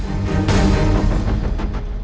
makanya kalo punya kuping tuh dibersihkan